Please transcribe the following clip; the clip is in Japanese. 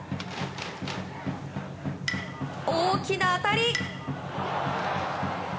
大きな当たり。